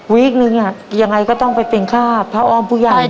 วิคนึงอะยังไงก็ต้องไปเป็นค่าพระออมผู้หญันเนี่ย